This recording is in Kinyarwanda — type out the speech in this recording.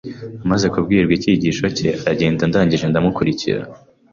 amaze kubwiriza ikigisho cye aragenda ndangije ndamukurikira,